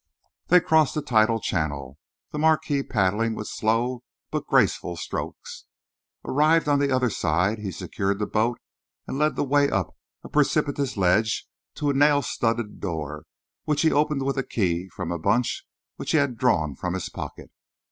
They crossed the tidal channel, the Marquis paddling with slow but graceful strokes. Arrived on the other side, he secured the boat and led the way up a precipitous ledge to a nail studded door, which he opened with a key from a bunch which he had drawn from his pocket.